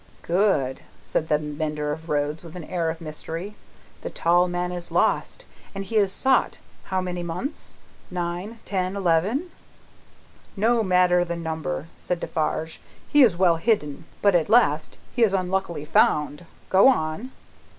"Good!" said the mender of roads, with an air of mystery. "The tall man is lost, and he is sought how many months? Nine, ten, eleven?" "No matter, the number," said Defarge. "He is well hidden, but at last he is unluckily found. Go on!"